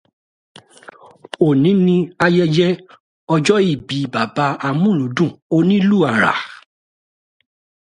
Òní ni ayẹyẹ ọjọ́ ìbí bàbá amúlùúdùn onílù àrà